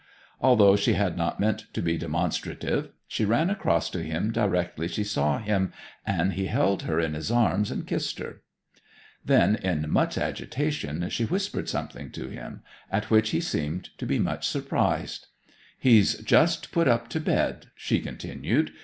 Although she had not meant to be demonstrative she ran across to him directly she saw him, and he held her in his arms and kissed her. Then in much agitation she whispered something to him, at which he seemed to be much surprised. 'He's just put to bed,' she continued.